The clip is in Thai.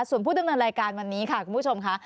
ส่วนผู้ดำเนินรายการวันนี้ค่ะคุณผู้ชมค่ะ